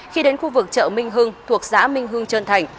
khi đến khu vực chợ minh hưng thuộc xã minh hưng trân thành